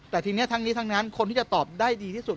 แต่ทีนี้ทั้งนี้ทั้งนั้นคนที่จะตอบได้ดีที่สุด